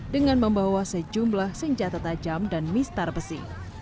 dengan membawa sejumlah senjata tajam dan mistar besi